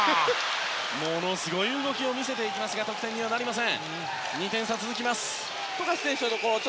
ものすごい動きを見せていきますが得点にはなりませんでした。